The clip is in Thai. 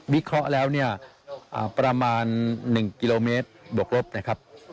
เคราะห์แล้วเนี่ยประมาณ๑กิโลเมตรบวกลบนะครับ